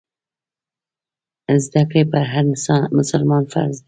زده کړه پر هر مسلمان فرض دی.